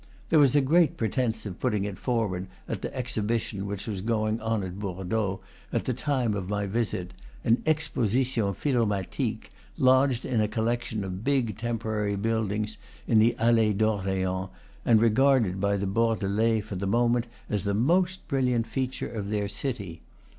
There was a great pretence of putting it forward at the Exhibition which was going on at Bordeaux at the time of my visit, an "exposition philomathique," lodged in a collection of big temporary buildings in the Allees d'Or1eans, and regarded by the Bordelais for the moment as the most brilliant feature of their city.